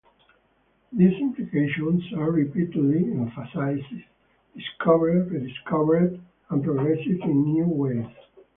These implications are repeatedly emphasized, discovered, rediscovered, and progressed in new ways.